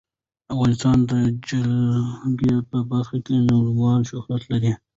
افغانستان د جلګه په برخه کې نړیوال شهرت لري.